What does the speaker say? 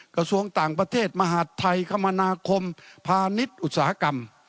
กระทรวงต่างประเทศมหาดไทยคมนาคมพาณิชย์อุตสาหกรรม